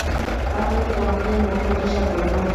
তাহলে, তোমাকেই মুখ ফুটে সব বলতে হবে!